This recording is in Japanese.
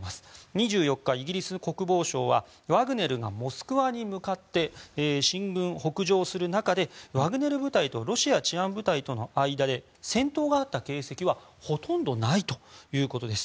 ２４日、イギリス国防省はワグネルがモスクワに向かって進軍北上する中でワグネル部隊とロシア治安部隊との間で戦闘があった形跡はほとんどないということです。